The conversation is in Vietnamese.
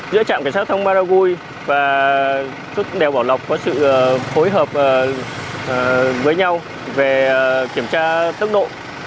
giữa trạm cảnh sát thông maragui và đèo bảo lộc có sự phối hợp với nhau về kiểm tra tốc độ